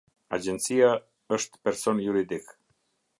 Agjencia është person juridik.